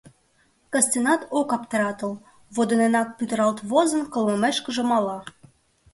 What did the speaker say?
Кастенат ок аптыратыл, водынекак пӱтыралт возын, кылмымешкыже мала.